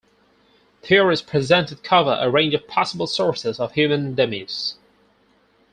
Theories presented cover a range of possible sources of human demise.